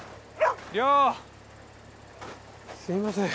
すみません。